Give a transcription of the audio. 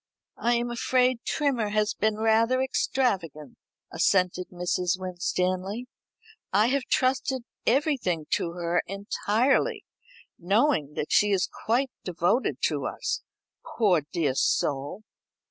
"I am afraid Trimmer has been rather extravagant," assented Mrs. Winstanley. "I have trusted everything to her entirely, knowing that she is quite devoted to us, poor dear soul."